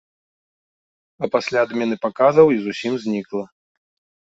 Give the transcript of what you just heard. А пасля адмены паказаў і зусім знікла.